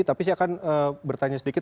tapi saya akan bertanya sedikit